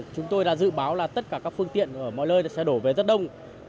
chúng tôi đã dự báo là tất cả các phương tiện ở mọi nơi sẽ đổ về rất đông